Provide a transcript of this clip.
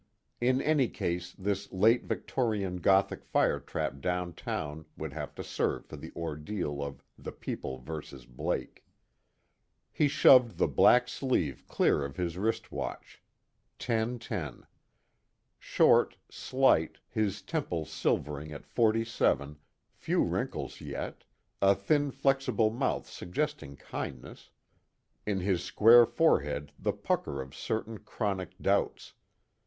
In any case this late Victorian Gothic firetrap downtown would have to serve for the ordeal of The People vs. Blake. He shoved the black sleeve clear of his wrist watch: 10:10. Short, slight, his temples silvering at forty seven; few wrinkles yet; a thin flexible mouth suggesting kindness; in his square forehead the pucker of certain chronic doubts.